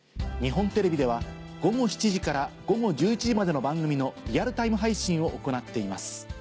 日本テレビでは午後７時から午後１１時までの番組のリアルタイム配信を行っています。